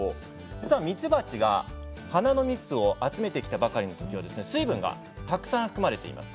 実はミツバチが花の蜜を集めてきたばかりの時は水分がたくさん含まれています。